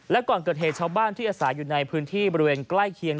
และก่อนเกิดเหตุชาวบ้านที่อาศัยอยู่ในพื้นที่บริเวณใกล้เคียง